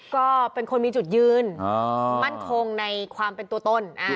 ก็เป็นคนมีจุดยืนมั่นคงในความเป็นตัวต้น